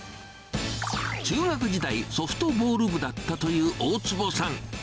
中学時代、ソフトボール部だったという大坪さん。